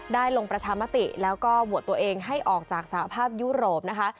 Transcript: ลงประชามติแล้วก็โหวตตัวเองให้ออกจากสหภาพยุโรปนะคะ